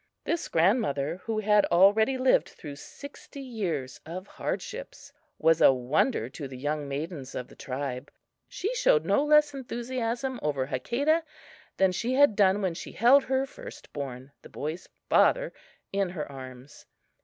This grandmother, who had already lived through sixty years of hardships, was a wonder to the young maidens of the tribe. She showed no less enthusiasm over Hakadah than she had done when she held her first born, the boy's father, in her arms.